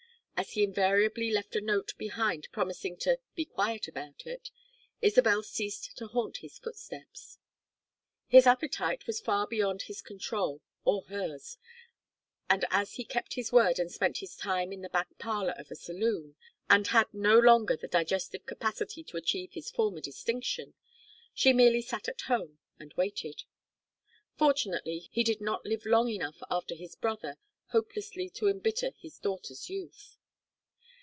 As he invariably left a note behind him promising to "be quiet about it," Isabel ceased to haunt his footsteps. His appetite was far beyond his control or hers, and as he kept his word and spent his time in the back parlor of a saloon, and had no longer the digestive capacity to achieve his former distinction, she merely sat at home and waited. Fortunately he did not live long enough after his brother hopelessly to embitter his daughter's youth.